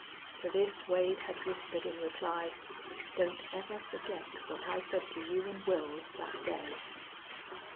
To this Wade had whispered in reply, "Don't ever forget what I said to you an' Wils that day!"